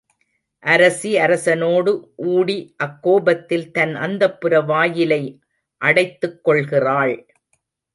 அரசி அரசனோடு ஊடி அக்கோபத்தில் தன் அந்தப்புர வாயிலை அடைத்துக் கொள்கிறாள்.